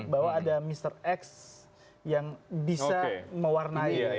bahwa ada mr x yang bisa mewarnai